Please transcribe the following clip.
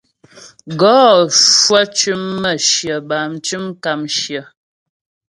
Gɔ cwə cʉm mə̌shyə bâm mcʉm kàmshyə.